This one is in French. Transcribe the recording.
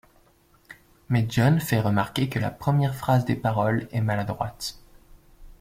Mais John fait remarquer que la première phrase des paroles est maladroite.